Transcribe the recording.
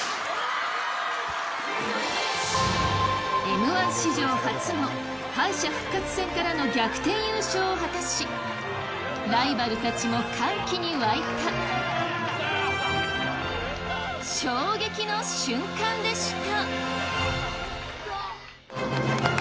Ｍ−１史上初の敗者復活戦からの逆転優勝を果たしライバルたちも歓喜に沸いた衝撃の瞬間でした！